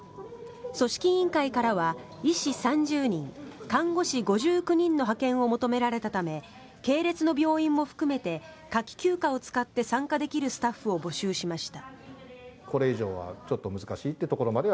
組織委員会からは医師３０人看護師５９人の派遣を求められたため系列の病院も含めて夏季休暇を使って参加できるスタッフを募集しました。